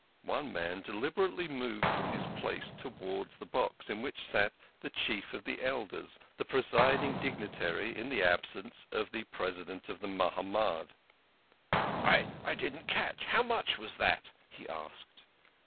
One man deliberately moved from his place towards the box in which sat the Chief of the Elders, the presiding dignitary in the absence of the President of the Mahamad. "I didn't catch how much was that?" he asked.